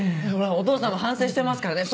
お父さんも反省してますからね